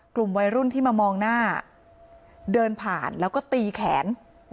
กลุ่มวัยรุ่นที่มามองหน้าเดินผ่านแล้วก็ตีแขน